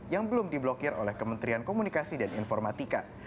yang belum diblokir oleh kementerian komunikasi dan informatika